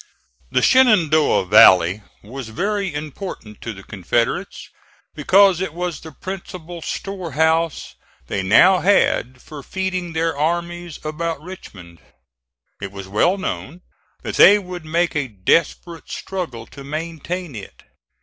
The Shenandoah Valley was very important to the Confederates, because it was the principal storehouse they now had for feeding their armies about Richmond. It was well known that they would make a desperate struggle to maintain it.